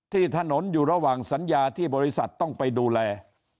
ที่ถนนอยู่ระหว่างสัญญาที่บริษัทต้องไปดูแล